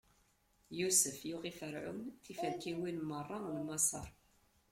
Yusef yuɣ i Ferɛun tiferkiwin meṛṛa n Maṣer.